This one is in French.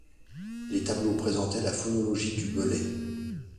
Les tableaux présentent la phonologie du belait.